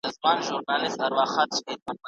افغان شاګردان د بهرنیو اقتصادي مرستو پوره حق نه لري.